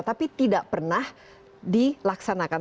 tapi tidak pernah dilaksanakan